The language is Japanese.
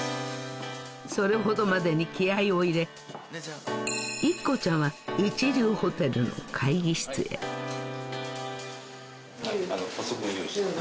それほどまでに気合を入れＩＫＫＯちゃんは一流ホテルの会議室へパソコン用意した。